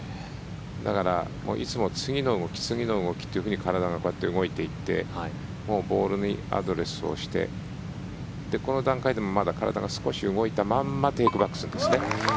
だから、いつも次の動きというふうに体が動いていってボールにアドレスをしてこの段階でもまだ体が少し動いたまんまテイクバックするんですね。